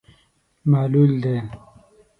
معلول دی.